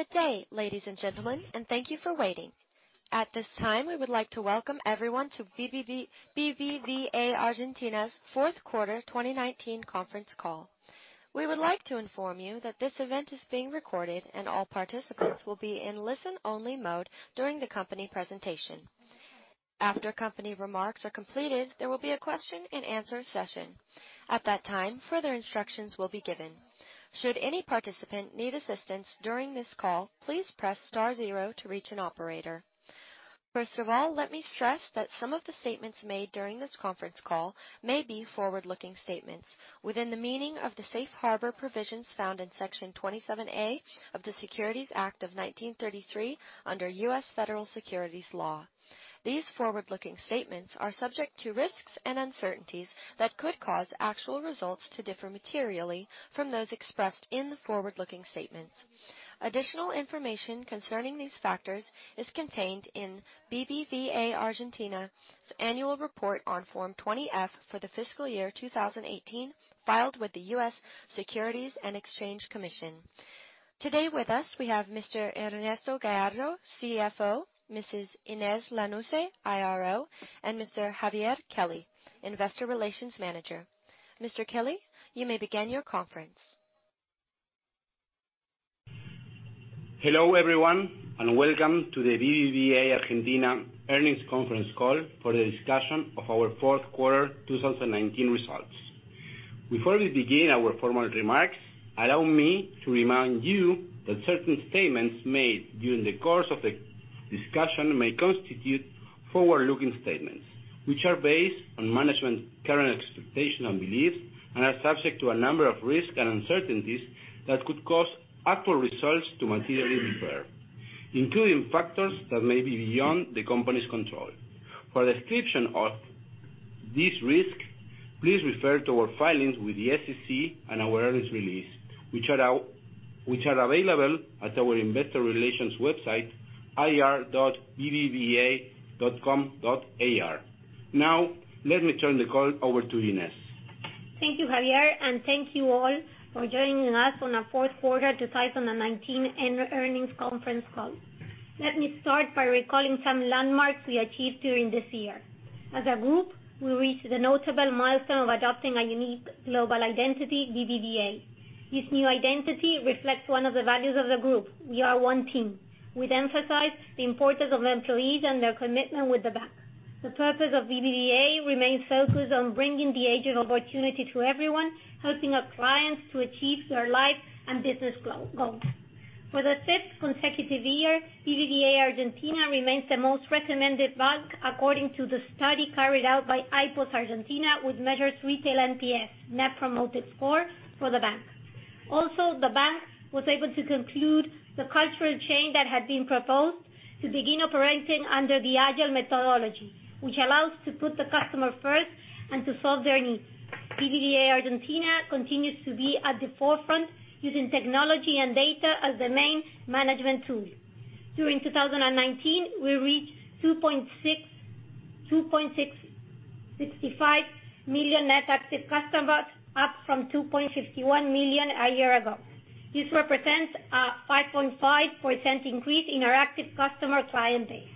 Good day, ladies and gentlemen, and thank you for waiting. At this time, we would like to welcome everyone to BBVA Argentina's fourth quarter 2019 conference call. We would like to inform you that this event is being recorded, and all participants will be in listen-only mode during the company presentation. After company remarks are completed, there will be a question and answer session. At that time, further instructions will be given. Should any participant need assistance during this call, please press star zero to reach an operator. First of all, let me stress that some of the statements made during this conference call may be forward-looking statements within the meaning of the Safe Harbor provisions found in Section 27A of the Securities Act of 1933 under U.S. Federal Securities Law. These forward-looking statements are subject to risks and uncertainties that could cause actual results to differ materially from those expressed in the forward-looking statements. Additional information concerning these factors is contained in BBVA Argentina's annual report on Form 20-F for the fiscal year 2018, filed with the U.S. Securities and Exchange Commission. Today with us, we have Mr. Ernesto Gallardo, CFO, Mrs. Inés Lanusse, IRO, and Mr. Javier Kelly, Investor Relations Manager. Mr. Kelly, you may begin your conference. Hello, everyone, and welcome to the BBVA Argentina earnings conference call for the discussion of our fourth quarter 2019 results. Before we begin our formal remarks, allow me to remind you that certain statements made during the course of the discussion may constitute forward-looking statements, which are based on management's current expectations and beliefs and are subject to a number of risks and uncertainties that could cause actual results to materially differ, including factors that may be beyond the company's control. For a description of this risk, please refer to our filings with the SEC and our earnings release, which are available at our investor relations website, ir.bbva.com.ar. Let me turn the call over to Inés. Thank you, Javier, thank you all for joining us on our fourth quarter 2019 earnings conference call. Let me start by recalling some landmarks we achieved during this year. As a group, we reached the notable milestone of adopting a unique global identity, BBVA. This new identity reflects one of the values of the group, we are one team. We'd emphasize the importance of employees and their commitment with the bank. The purpose of BBVA remains focused on bringing the age of opportunity to everyone, helping our clients to achieve their life and business goals. For the fifth consecutive year, BBVA Argentina remains the most recommended bank, according to the study carried out by Ipsos Argentina, which measures retail NPS, Net Promoter Score, for the bank. Also, the bank was able to conclude the cultural change that had been proposed to begin operating under the agile methodology, which allows to put the customer first and to solve their needs. BBVA Argentina continues to be at the forefront using technology and data as the main management tool. During 2019, we reached 2.65 million net active customers, up from 2.51 million a year ago. This represents a 5.5% increase in our active customer client base.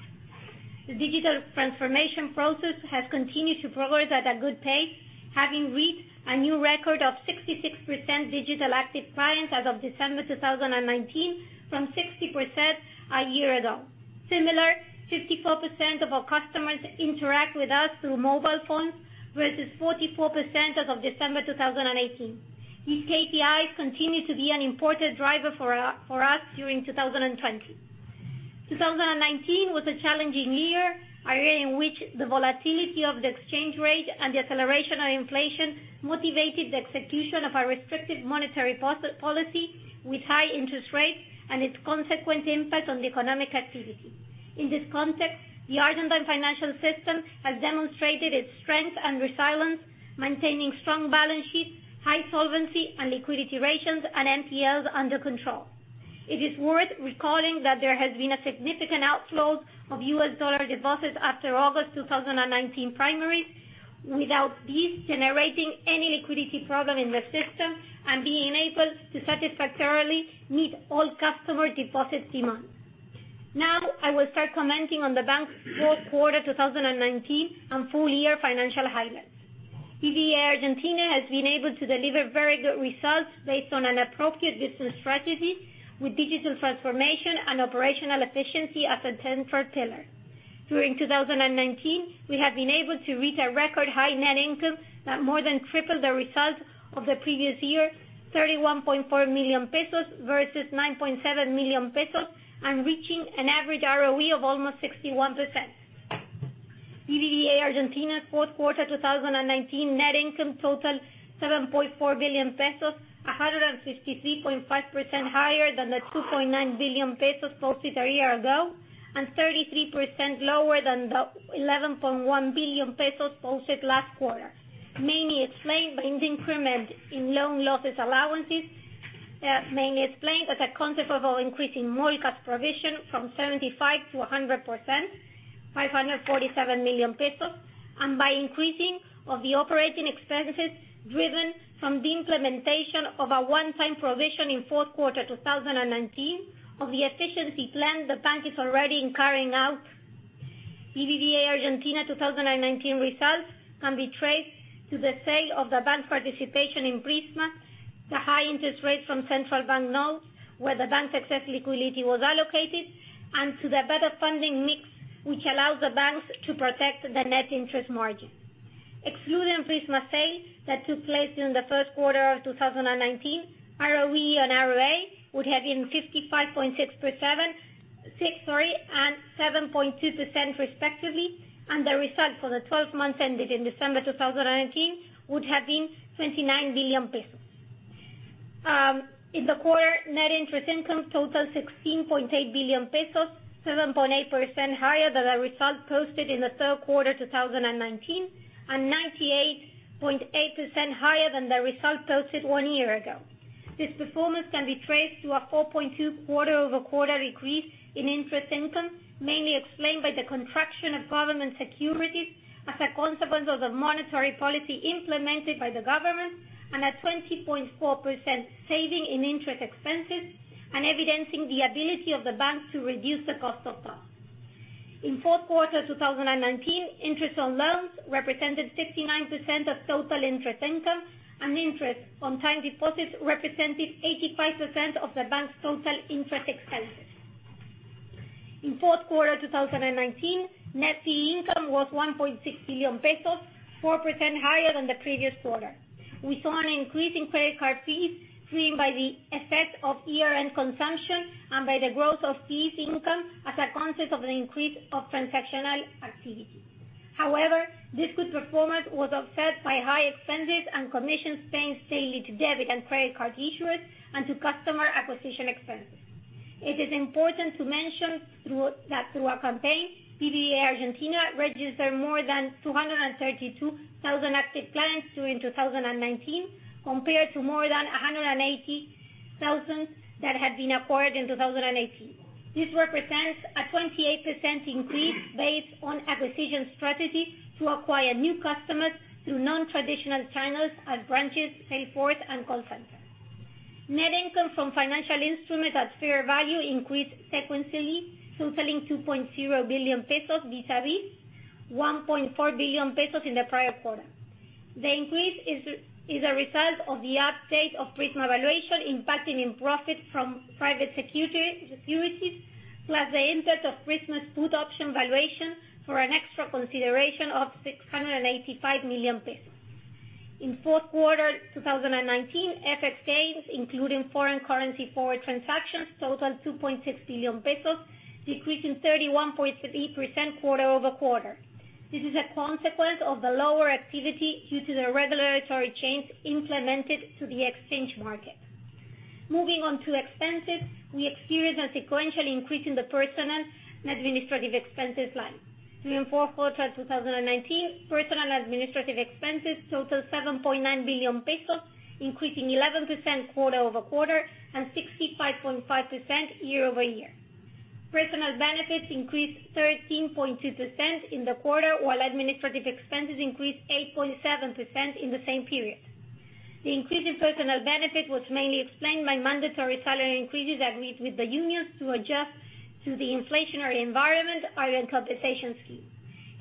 The digital transformation process has continued to progress at a good pace, having reached a new record of 66% digital active clients as of December 2019, from 60% a year ago. Similar, 54% of our customers interact with us through mobile phones versus 44% as of December 2018. These KPIs continue to be an important driver for us during 2020. 2019 was a challenging year, a year in which the volatility of the exchange rate and the acceleration of inflation motivated the execution of a restrictive monetary policy with high interest rates and its consequent impact on the economic activity. In this context, the Argentine financial system has demonstrated its strength and resilience, maintaining strong balance sheets, high solvency and liquidity ratios, and NPLs under control. It is worth recalling that there has been a significant outflow of US dollar deposits after August 2019 primaries, without this generating any liquidity problem in the system and being able to satisfactorily meet all customer deposit demands. Now, I will start commenting on the bank's fourth quarter 2019 and full year financial highlights. BBVA Argentina has been able to deliver very good results based on an appropriate business strategy with digital transformation and operational efficiency as a central pillar. During 2019, we have been able to reach a record high net income that more than tripled the results of the previous year, 31.4 billion pesos versus 9.7 billion pesos, and reaching an average ROE of almost 61%. BBVA Argentina's fourth quarter 2019 net income totaled 7.4 billion pesos, 153.5% higher than the 2.9 billion pesos posted a year ago, and 33% lower than the 11.1 billion pesos posted last quarter, mainly explained by the increment in loan losses allowances, mainly explained as a consequence of increasing more cost provision from 75% to 100%. 547 million pesos, and by increasing of the operating expenses driven from the implementation of a one-time provision in fourth quarter 2019 of the efficiency plan the bank is already carrying out. BBVA Argentina 2019 results can be traced to the sale of the bank participation in Prisma, the high interest rates from Central Bank notes, where the bank excess liquidity was allocated, and to the better funding mix, which allows the banks to protect the net interest margin. Excluding Prisma sale that took place in the first quarter of 2019, ROE and ROA would have been 55.6% and 7.2% respectively, and the result for the 12 months ended in December 2019 would have been 29 billion pesos. In the quarter, net interest income totaled 16.8 billion pesos, 7.8% higher than the result posted in the third quarter 2019, and 98.8% higher than the result posted one year ago. This performance can be traced to a 4.2 quarter-over-quarter increase in interest income, mainly explained by the contraction of government securities as a consequence of the monetary policy implemented by the government and a 20.4% saving in interest expenses and evidencing the ability of the bank to reduce the cost of debt. In fourth quarter 2019, interest on loans represented 69% of total interest income. Interest on time deposits represented 85% of the bank's total interest expenses. In fourth quarter 2019, net fee income was 1.6 billion pesos, 4% higher than the previous quarter. We saw an increase in credit card fees driven by the effect of year-end consumption and by the growth of fees income as a consequence of the increase of transactional activity. This good performance was offset by high expenses and commissions paying daily to debit and credit card issuers and to customer acquisition expenses. It is important to mention that through our campaign, BBVA Argentina registered more than 232,000 active clients during 2019, compared to more than 180,000 that had been acquired in 2018. This represents a 28% increase based on acquisition strategy to acquire new customers through non-traditional channels at branches, Salesforce, and call center. Net income from financial instruments at fair value increased sequentially, totaling 2.0 billion pesos, vis-a-vis 1.4 billion pesos in the prior quarter. The increase is a result of the update of Prisma valuation impacting in profit from private securities, plus the impact of Prisma's put option valuation for an extra consideration of 685 million pesos. In fourth quarter 2019, FX gains, including foreign currency forward transactions, totaled 2.6 billion pesos, decreasing 31.3% quarter-over-quarter. This is a consequence of the lower activity due to the regulatory changes implemented to the exchange market. Moving on to expenses, we experienced a sequential increase in the personnel and administrative expenses line. During fourth quarter 2019, personnel and administrative expenses totaled 7.9 billion pesos, increasing 11% quarter-over-quarter and 65.5% year-over-year. Personnel benefit increased 13.2% in the quarter, while administrative expenses increased 8.7% in the same period. The increase in personnel benefit was mainly explained by mandatory salary increases agreed with the unions to adjust to the inflationary environment and compensation scheme.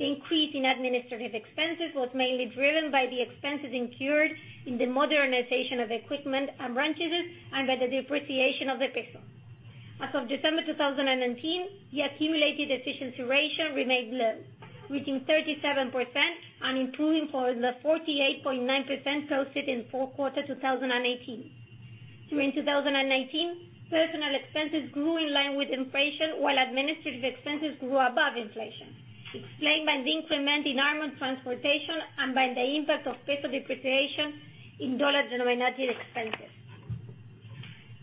The increase in administrative expenses was mainly driven by the expenses incurred in the modernization of equipment and branches and by the depreciation of the ARS. As of December 2019, the accumulated efficiency ratio remained low, reaching 37% and improving from the 48.9% posted in fourth quarter 2018. During 2019, personnel expenses grew in line with inflation, while administrative expenses grew above inflation, explained by the increment in armored transportation and by the impact of peso depreciation in dollar-denominated expenses.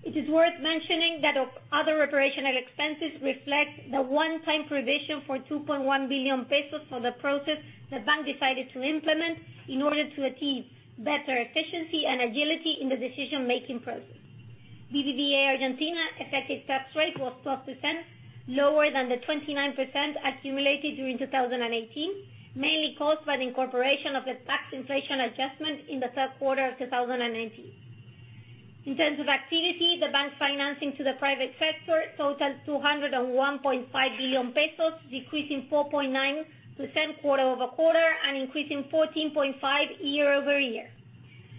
It is worth mentioning that other operational expenses reflect the one-time provision for 2.1 billion pesos for the process the bank decided to implement in order to achieve better efficiency and agility in the decision-making process. BBVA Argentina effective tax rate was 12%, lower than the 29% accumulated during 2018, mainly caused by the incorporation of the tax inflation adjustment in the third quarter of 2019. In terms of activity, the bank financing to the private sector totaled 201.5 billion pesos, decreasing 4.9% quarter-over-quarter and increasing 14.5% year-over-year.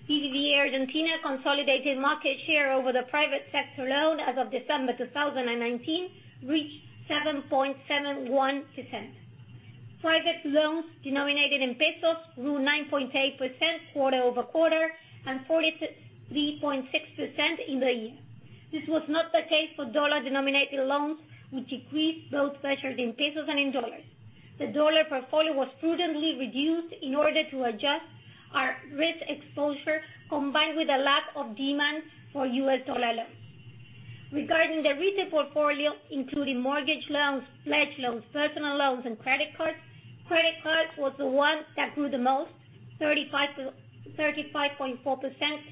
BBVA Argentina consolidated market share over the private sector loan as of December 2019 reached 7.71%. Private loans denominated in pesos grew 9.8% quarter-over-quarter and 43.6% in the year. This was not the case for dollar-denominated loans, which decreased both measured in pesos and in dollars. The dollar portfolio was prudently reduced in order to adjust our risk exposure, combined with a lack of demand for US dollar loans. Regarding the retail portfolio, including mortgage loans, pledged loans, personal loans, and credit card. That was the one that grew the most, 35.4%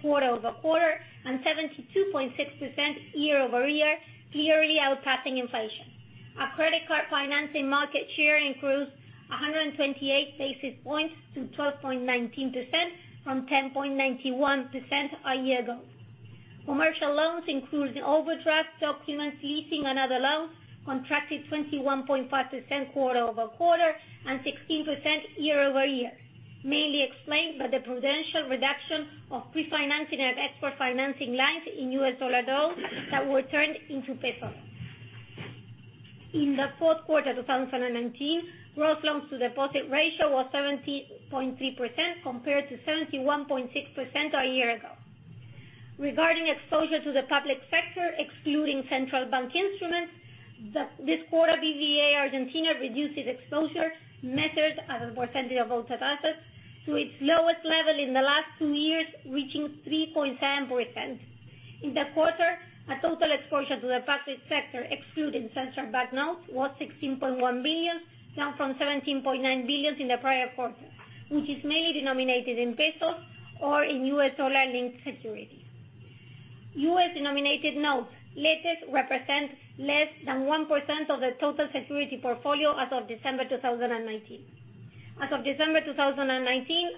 quarter-over-quarter and 72.6% year-over-year, clearly outpacing inflation. Our credit card financing market share increased 128 basis points to 12.19% from 10.91% a year ago. Commercial loans, including overdraft, documents, leasing, and other loans, contracted 21.5% quarter-over-quarter and 16% year-over-year, mainly explained by the prudential reduction of pre-financing and export financing lines in US dollar loans that were turned into pesos. In the fourth quarter 2019, gross loans to deposit ratio was 70.3% compared to 71.6% a year ago. Regarding exposure to the public sector, excluding Central Bank instruments, this quarter, BBVA Argentina reduced its exposure, measured as a percentage of total assets, to its lowest level in the last two years, reaching 3.7%. In the quarter, our total exposure to the public sector, excluding Central Bank loans, was 16.1 billion, down from 17.9 billion in the prior quarter, which is mainly denominated in pesos or in U.S. dollar-linked securities. U.S.-denominated notes represent less than 1% of the total security portfolio as of December 2019. As of December 2019,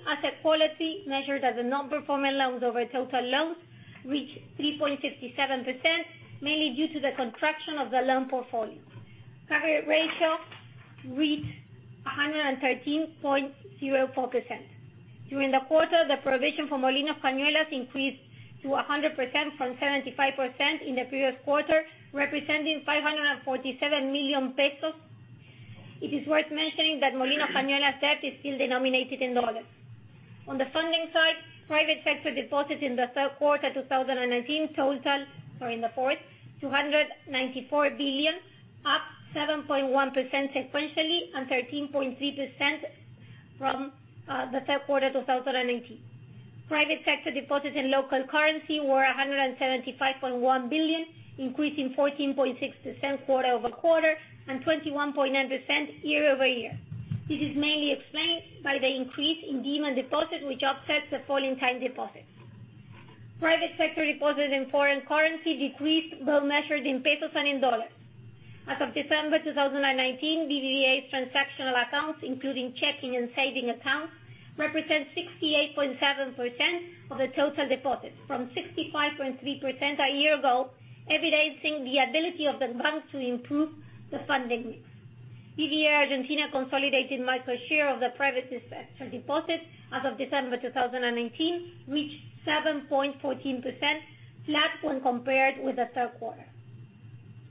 asset quality, measured as the non-performing loans over total loans, reached 3.67%, mainly due to the contraction of the loan portfolio. Coverage ratio reached 113.04%. During the quarter, the provision for Molinos Cañuelas increased to 100% from 75% in the previous quarter, representing 547 million pesos. It is worth mentioning that Molinos Cañuelas' debt is still denominated in dollars. On the funding side, private sector deposits in the fourth quarter 2019 total 294 billion, up 7.1% sequentially and 13.3% from the third quarter 2019. Private sector deposits in local currency were 175.1 billion, increasing 14.6% quarter-over-quarter and 21.9% year-over-year. This is mainly explained by the increase in demand deposits, which offsets the fall in time deposits. Private sector deposits in foreign currency decreased, both measured in ARS and in dollars. As of December 2019, BBVA's transactional accounts, including checking and saving accounts, represent 68.7% of the total deposits, from 65.3% a year ago, evidencing the ability of the bank to improve the funding mix. BBVA Argentina consolidated market share of the private sector deposits as of December 2019 reached 7.14%, flat when compared with the third quarter.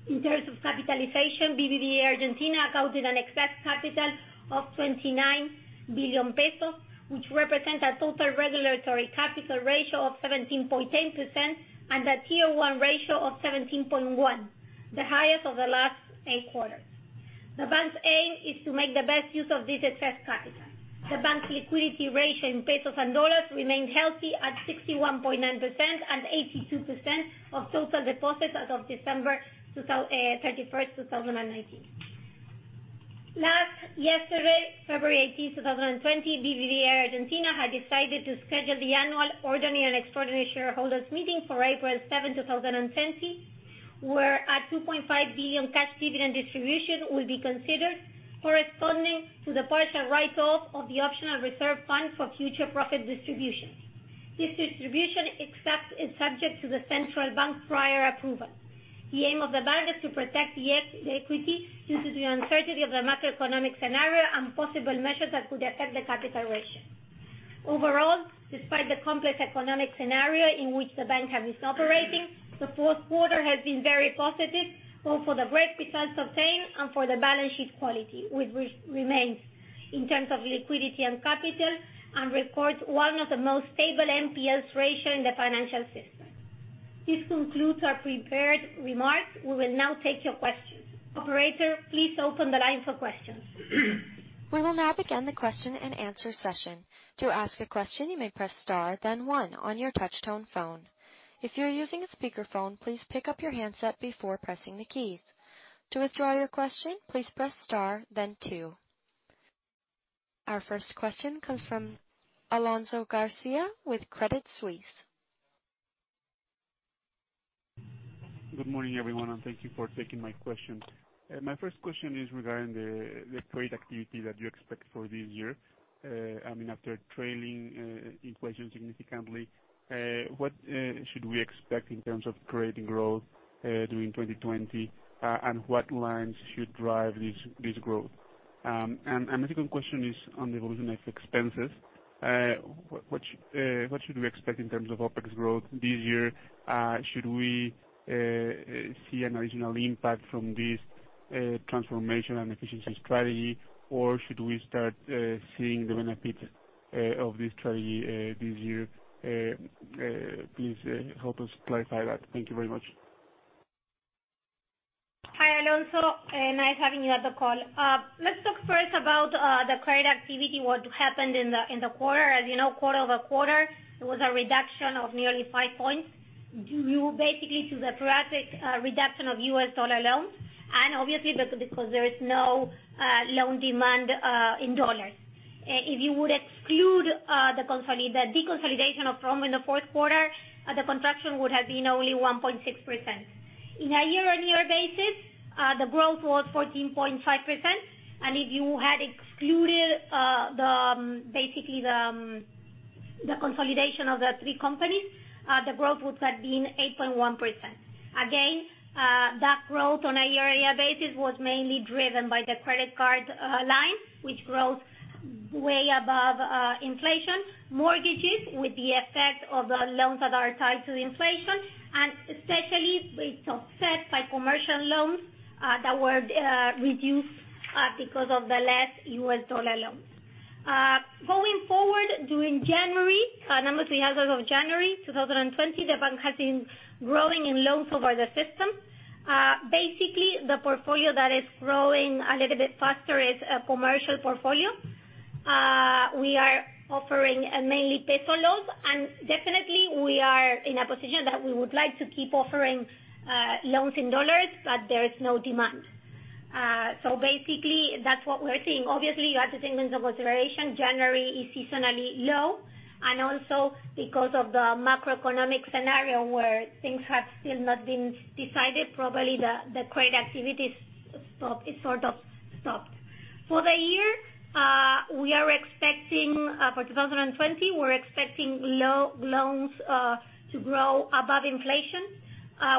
In terms of capitalization, BBVA Argentina accounted an excess capital of 29 billion pesos, which represents a total regulatory capital ratio of 17.10% and a Tier 1 ratio of 17.1%, the highest of the last eight quarters. The bank's aim is to make the best use of this excess capital. The bank's liquidity ratio in ARS and USD remained healthy at 61.9% and 82% of total deposits as of December 31st, 2019. Last, yesterday, February 18th, 2020, BBVA Argentina had decided to schedule the annual ordinary and extraordinary shareholders meeting for April 7, 2020, where a 2.5 billion cash dividend distribution will be considered corresponding to the partial write-off of the optional reserve fund for future profit distributions. This distribution is subject to the Central Bank's prior approval. The aim of the bank is to protect the equity due to the uncertainty of the macroeconomic scenario and possible measures that could affect the capital ratio. Overall, despite the complex economic scenario in which the bank has been operating, the fourth quarter has been very positive, both for the great results obtained and for the balance sheet quality, which remains in terms of liquidity and capital and records one of the most stable NPLs ratio in the financial system. This concludes our prepared remarks. We will now take your questions. Operator, please open the line for questions. We will now begin the question and answer session. To ask a question, you may press star then one on your touch tone phone. If you're using a speakerphone, please pick up your handset before pressing the keys. To withdraw your question, please press star then two. Our first question comes from Alonso Garcia with Credit Suisse. Good morning, everyone, and thank you for taking my question. My first question is regarding the trade activity that you expect for this year. After trailing inflation significantly, what should we expect in terms of credit growth during 2020, and what lines should drive this growth? My second question is on the evolution of expenses. What should we expect in terms of OpEx growth this year? Should we see an initial impact from this transformation and efficiency strategy, or should we start seeing the benefits of this strategy this year? Please help us clarify that. Thank you very much. Hi, Alonso. Nice having you at the call. Let's talk first about the credit activity, what happened in the quarter. As you know, quarter-over-quarter, it was a reduction of nearly five points. Due basically to the sporadic reduction of US dollar loans. Obviously, because there is no loan demand in dollars. If you would exclude the deconsolidation of Forum in the fourth quarter, the contraction would have been only 1.6%. In a year-on-year basis, the growth was 14.5%, and if you had excluded basically the consolidation of the three companies, the growth would have been 8.1%. Again, that growth on a year-on-year basis was mainly driven by the credit card lines, which grows way above inflation, mortgages, with the effect of the loans that are tied to inflation, and especially it's offset by commercial loans that were reduced because of the less US dollar loans. Going forward, during January, number 3, as of January 2020, the bank has been growing in loans over the system. Basically, the portfolio that is growing a little bit faster is commercial portfolio. We are offering mainly peso loans, and definitely we are in a position that we would like to keep offering loans in dollars, but there is no demand. Basically, that's what we're seeing. Obviously, you have the seasons of observation. January is seasonally low, and also because of the macroeconomic scenario where things have still not been decided, probably the credit activity sort of stopped. For the year, for 2020, we're expecting loans to grow above inflation.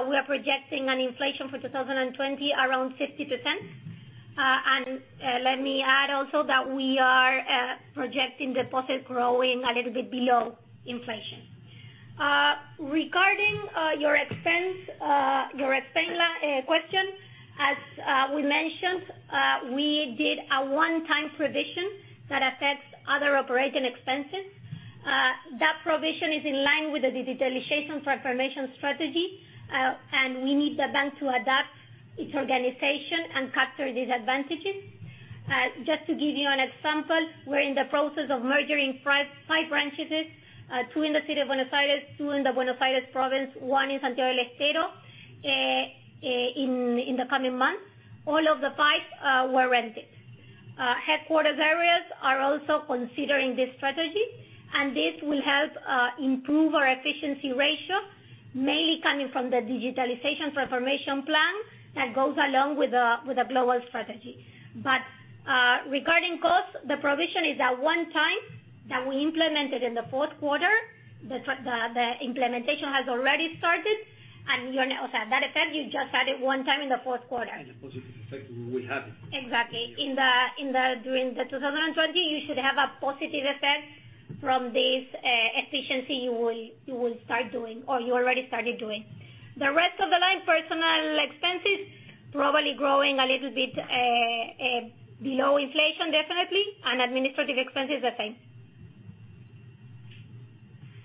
We are projecting an inflation for 2020 around 50%. Let me add also that we are projecting deposit growing a little bit below inflation. Regarding your expense question, as we mentioned, we did a one-time provision that affects other operating expenses. That provision is in line with the digitalization transformation strategy. We need the bank to adapt its organization and capture these advantages. Just to give you an example, we're in the process of merging five branches. Two in the city of Buenos Aires, two in the Buenos Aires province, one in Santiago del Estero in the coming months. All of the five were rented. Headquarters areas are also considering this strategy. This will help improve our efficiency ratio, mainly coming from the digitalization transformation plan that goes along with the global strategy. Regarding costs, the provision is a one-time that we implemented in the fourth quarter. The implementation has already started, that effect, you just had it one time in the fourth quarter. The positive effect we will have. Exactly. During the 2020, you should have a positive effect from this efficiency you will start doing, or you already started doing. The rest of the line, personal expenses, probably growing a little bit below inflation definitely, and administrative expenses, the same.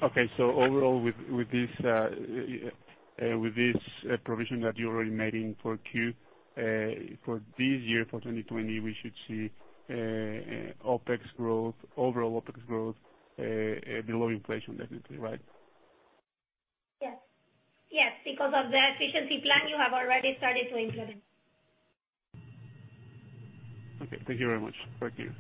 Okay. overall, with this provision that you already made in for Q, for this year, for 2020, we should see overall OpEx growth below inflation definitely, right? Yes. Because of the efficiency plan you have already started to implement. Okay. Thank you very much. Thank you.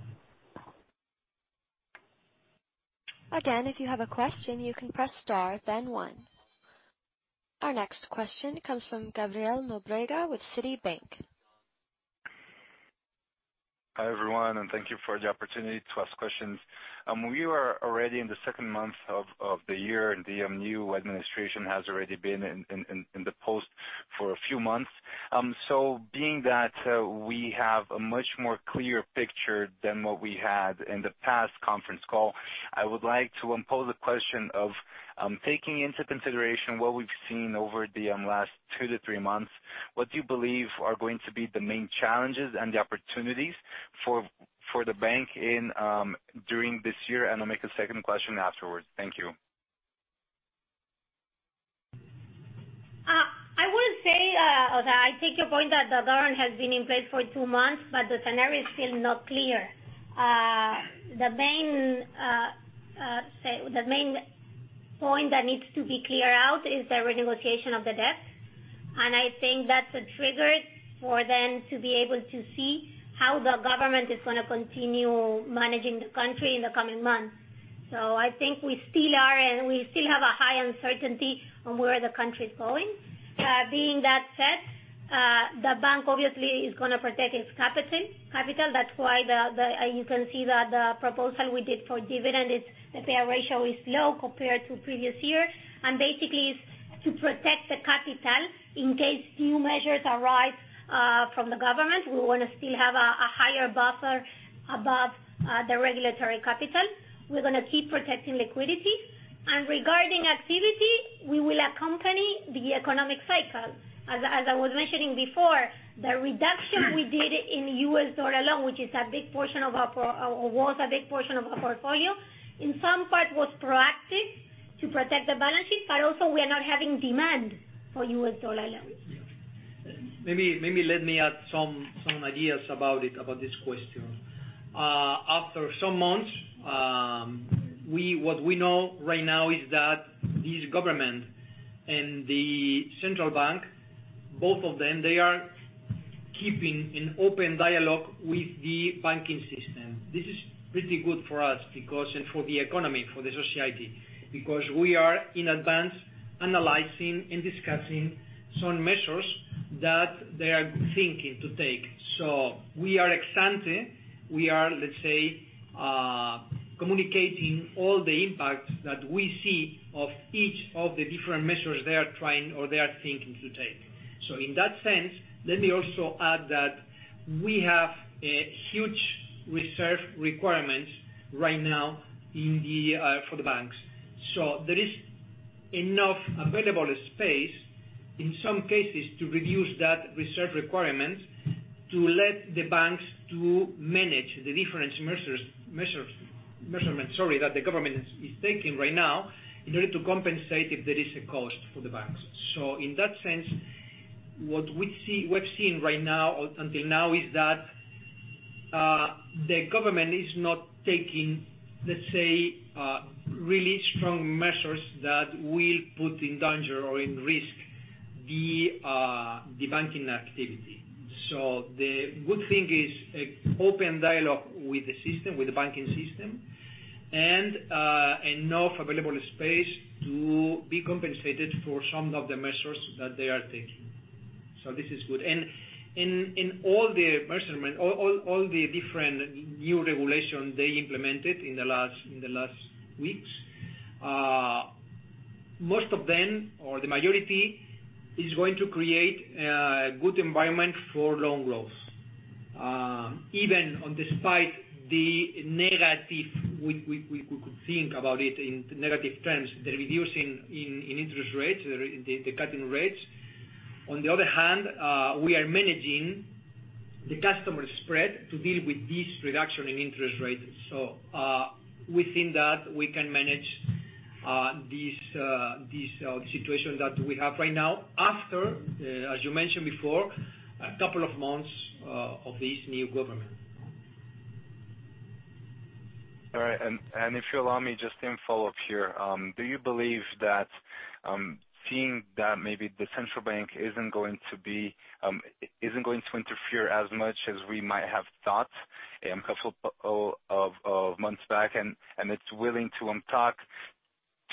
Again, if you have a question, you can press star then one. Our next question comes from Gabriel da Nóbrega with Citibank. Hi, everyone, thank you for the opportunity to ask questions. We are already in the second month of the year, and the new administration has already been in the post for a few months. Being that we have a much more clear picture than what we had in the past conference call, I would like to impose the question of, taking into consideration what we've seen over the last two to three months, what do you believe are going to be the main challenges and the opportunities for the bank during this year? I'll make a second question afterwards. Thank you. I would say, although I take your point that the government has been in place for two months, the scenario is still not clear. The main point that needs to be clear out is the renegotiation of the debt, I think that's a trigger for them to be able to see how the government is going to continue managing the country in the coming months. I think we still have a high uncertainty on where the country is going. Being that said, the bank obviously is going to protect its capital. That's why you can see that the proposal we did for dividend, its payout ratio is low compared to previous year. Basically, it's to protect the capital in case new measures arise from the government. We want to still have a higher buffer above the regulatory capital. We're going to keep protecting liquidity. Regarding activity, we will accompany the economic cycle. As I was mentioning before, the reduction we did in U.S. dollar loan, which was a big portion of our portfolio, in some part was proactive to protect the balance sheet. Also, we are not having demand. For U.S. dollar loans. Maybe let me add some ideas about it, about this question. After some months, what we know right now is that this government and the Central Bank, both of them, they are keeping an open dialogue with the banking system. This is pretty good for us and for the economy, for the society, because we are in advance analyzing and discussing some measures that they are thinking to take. We are ahead. We are, let's say, communicating all the impacts that we see of each of the different measures they are trying, or they are thinking to take. In that sense, let me also add that we have a huge reserve requirements right now for the banks. There is enough available space, in some cases, to reduce that reserve requirements to let the banks to manage the different measurements, sorry, that the government is taking right now in order to compensate if there is a cost for the banks. In that sense, what we've seen right now, until now is that, the government is not taking, let's say, really strong measures that will put in danger or in risk the banking activity. The good thing is, open dialogue with the system, with the banking system and enough available space to be compensated for some of the measures that they are taking. This is good. In all the measurements, all the different new regulations they implemented in the last weeks, most of them, or the majority, is going to create a good environment for loan growth, even on despite the negative, we could think about it in negative terms, the reducing in interest rates, the cutting rates. On the other hand, we are managing the customer spread to deal with this reduction in interest rates. We think that we can manage this situation that we have right now, after, as you mentioned before, a couple of months of this new government. All right. If you allow me just to follow up here, do you believe that, seeing that maybe the Central Bank isn't going to interfere as much as we might have thought a couple of months back, and it's willing to talk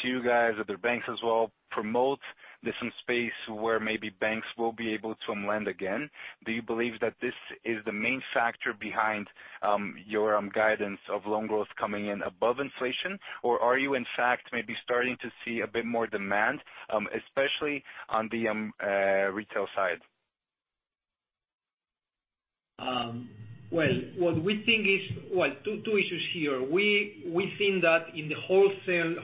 to you guys, other banks as well, promote there's some space where maybe banks will be able to lend again. Do you believe that this is the main factor behind your guidance of loan growth coming in above inflation? Are you, in fact, maybe starting to see a bit more demand, especially on the retail side? What we think is two issues here. We think that in the wholesale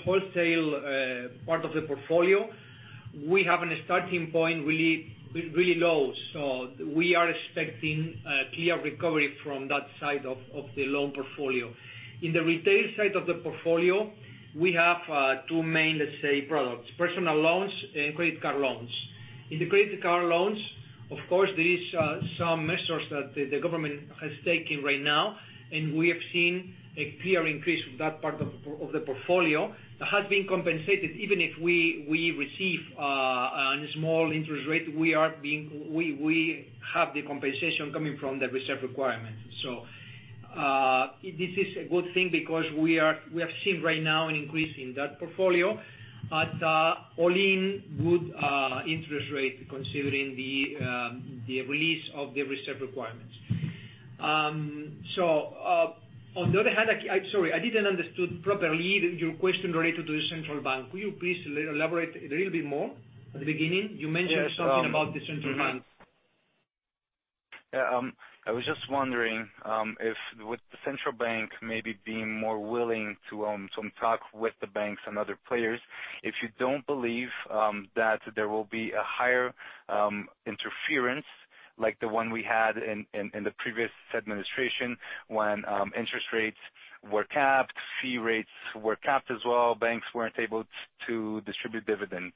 part of the portfolio, we have a starting point really low. We are expecting a clear recovery from that side of the loan portfolio. In the retail side of the portfolio, we have two main, let's say, products, personal loans and credit card loans. In the credit card loans, of course, there is some measures that the government has taken right now, and we have seen a clear increase of that part of the portfolio that has been compensated. Even if we receive a small interest rate, we have the compensation coming from the reserve requirement. This is a good thing because we have seen right now an increase in that portfolio at all-in good interest rate, considering the release of the reserve requirements. On the other hand, sorry, I didn't understand properly your question related to the central bank. Will you please elaborate a little bit more? At the beginning, you mentioned something about the central bank. Yeah. I was just wondering, if with the Central Bank maybe being more willing to talk with the banks and other players, if you don't believe that there will be a higher interference like the one we had in the previous administration, when interest rates were capped, fee rates were capped as well, banks weren't able to distribute dividends.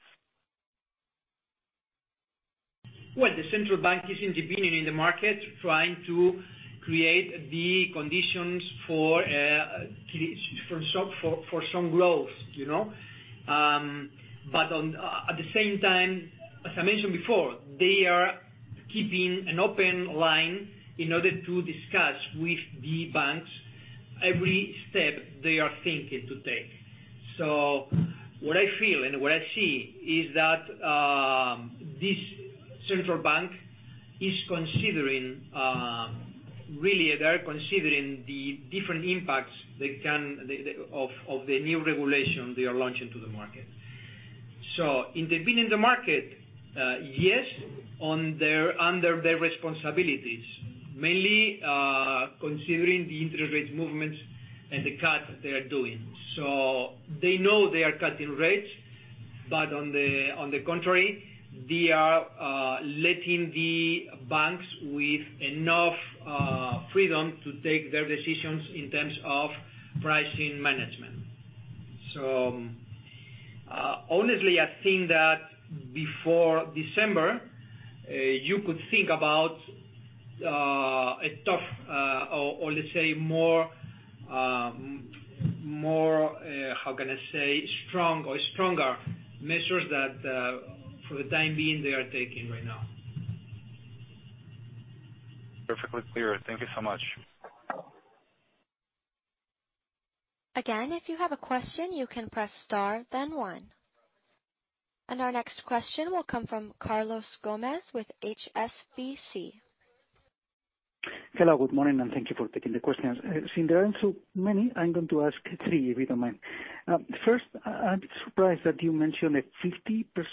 Well, the central bank is intervening in the market, trying to create the conditions for some growth. At the same time, as I mentioned before, they are keeping an open line in order to discuss with the banks every step they are thinking to take. What I feel and what I see is that, this central bank is considering, really they are considering the different impacts of the new regulation they are launching to the market. Intervening the market, yes, under their responsibilities, mainly considering the interest rate movements and the cuts they are doing. They know they are cutting rates, but on the contrary, they are letting the banks with enough freedom to take their decisions in terms of pricing management. Honestly, I think that before December, you could think about a tough or let's say more, how can I say? Strong or stronger measures that for the time being, they are taking right now. Perfectly clear. Thank you so much. Again, if you have a question, you can press star then one. Our next question will come from Carlos Gomez-Lopez with HSBC. Hello, good morning, thank you for taking the questions. Since there aren't so many, I'm going to ask three, if you don't mind. First, I'm surprised that you mentioned a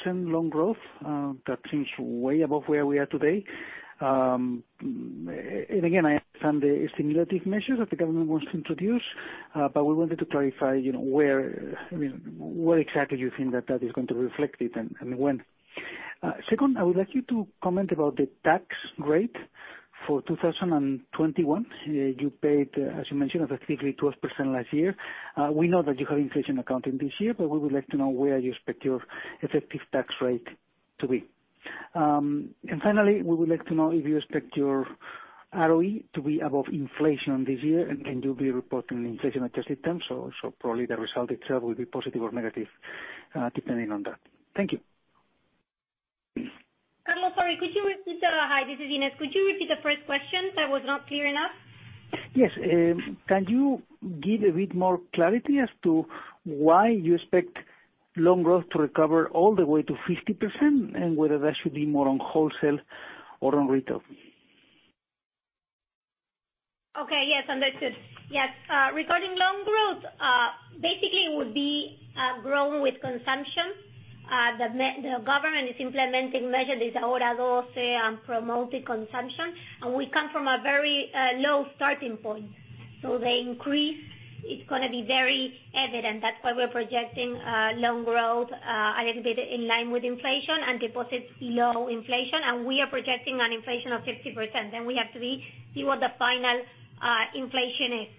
50% loan growth. That seems way above where we are today. Again, I understand the stimulative measures that the government wants to introduce, we wanted to clarify where exactly you think that that is going to reflect it and when. Second, I would like you to comment about the tax rate for 2021. You paid, as you mentioned, effectively 12% last year. We know that you have inflation accounting this year, we would like to know where you expect your effective tax rate to be. Finally, we would like to know if you expect your ROE to be above inflation this year, and you'll be reporting in inflation-adjusted terms, so probably the result itself will be positive or negative, depending on that. Thank you. Carlos, sorry. Hi, this is Inés. Could you repeat the first question? That was not clear enough. Can you give a bit more clarity as to why you expect loan growth to recover all the way to 50% and whether that should be more on wholesale or on retail? Okay. Yes, understood. Yes. Regarding loan growth, basically it would be grown with consumption. The government is implementing measures, these, [inaudible] say, and promote the consumption. We come from a very low starting point. The increase, it's going to be very evident. That's why we're projecting loan growth a little bit in line with inflation and deposits below inflation, and we are projecting an inflation of 50%. We have to see what the final inflation is.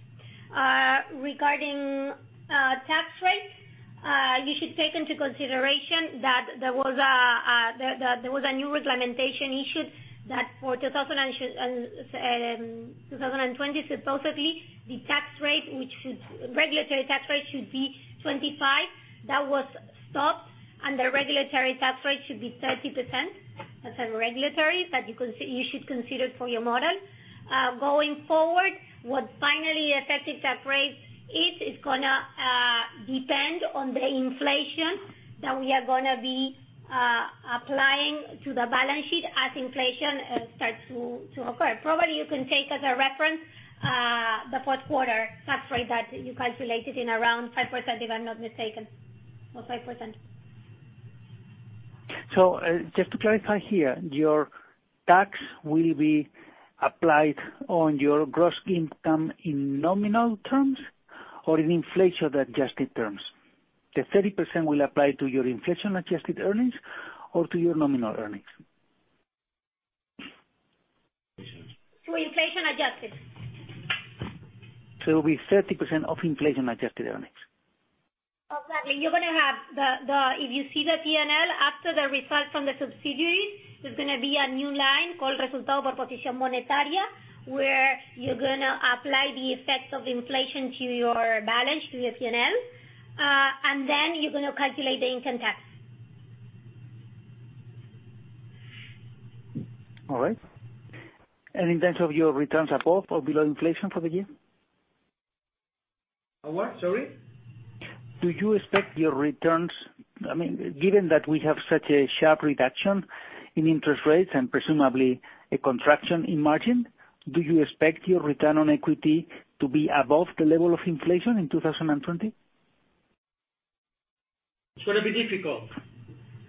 Regarding tax rates, you should take into consideration that there was a new regulation issued that for 2020, supposedly, the regulatory tax rate should be 25. That was stopped, and the regulatory tax rate should be 30%. That's a regulatory that you should consider for your model. Going forward, what finally effective tax rate is, it's going to depend on the inflation that we are going to be applying to the balance sheet as inflation starts to occur. Probably you can take as a reference the fourth quarter tax rate that you calculated in around 5%, if I'm not mistaken. 5%. Just to clarify here, your tax will be applied on your gross income in nominal terms or in inflation-adjusted terms? The 30% will apply to your inflation-adjusted earnings or to your nominal earnings? To inflation-adjusted. It will be 30% of inflation-adjusted earnings. Exactly. If you see the P&L after the result from the subsidiaries, there's going to be a new line called resultado por posición monetaria, where you're going to apply the effects of inflation to your balance, to your P&L, and then you're going to calculate the income tax. All right. In terms of your returns above or below inflation for the year? What? Sorry. Do you expect your returns Given that we have such a sharp reduction in interest rates and presumably a contraction in margin, do you expect your return on equity to be above the level of inflation in 2020? It's going to be difficult.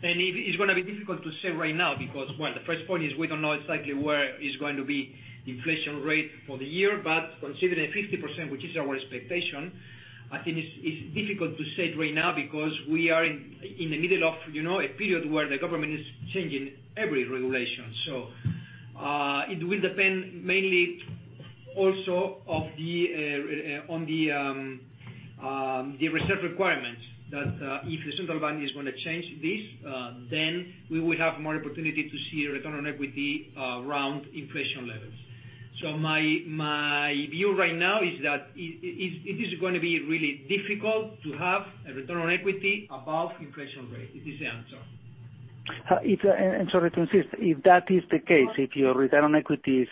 It's going to be difficult to say right now because, one, the first point is we don't know exactly where is going to be inflation rate for the year, but considering a 50%, which is our expectation, I think it's difficult to say it right now because we are in the middle of a period where the government is changing every regulation. It will depend mainly also on the reserve requirements, that if the Central Bank is going to change this, then we will have more opportunity to see a return on equity around inflation levels. My view right now is that it is going to be really difficult to have a return on equity above inflation rate. It is the answer. Sorry to insist, if that is the case, if your return on equity is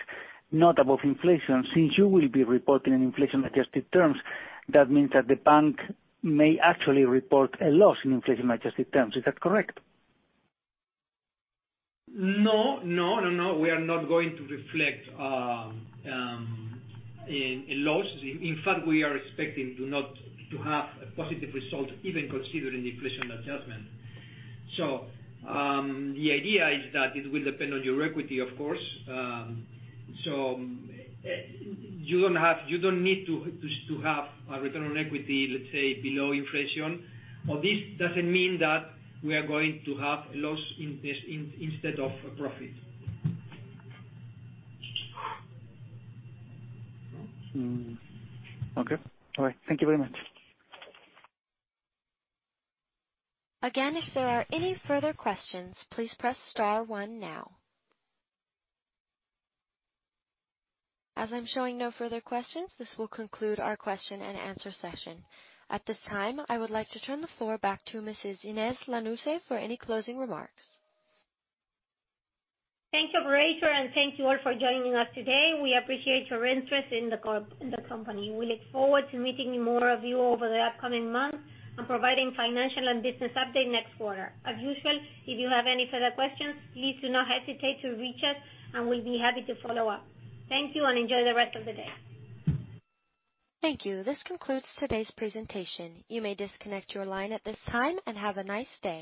not above inflation, since you will be reporting in inflation-adjusted terms, that means that the bank may actually report a loss in inflation-adjusted terms. Is that correct? No. We are not going to reflect a loss. In fact, we are expecting to have a positive result even considering inflation adjustment. The idea is that it will depend on your equity, of course. You don't need to have a return on equity, let's say, below inflation, or this doesn't mean that we are going to have a loss instead of a profit. Okay. All right. Thank you very much. Again, if there are any further questions, please press star one now. As I'm showing no further questions, this will conclude our question and answer session. At this time, I would like to turn the floor back to Mrs. Inés Lanusse for any closing remarks. Thank you, operator, thank you all for joining us today. We appreciate your interest in the company. We look forward to meeting more of you over the upcoming months and providing financial and business update next quarter. As usual, if you have any further questions, please do not hesitate to reach us and we'll be happy to follow up. Thank you, enjoy the rest of the day. Thank you. This concludes today's presentation. You may disconnect your line at this time. Have a nice day.